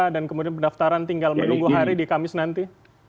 dan kemudian pendaftaran tinggal menunggu hari di kamis nanti